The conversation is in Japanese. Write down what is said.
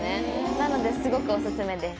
なのですごくお薦めです。